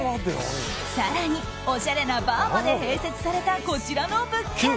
更に、おしゃれなバーまで併設された、こちらの物件。